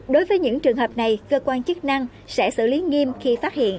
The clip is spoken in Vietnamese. đối với những trường hợp này cơ quan chức năng sẽ xử lý nghiêm khi phát hiện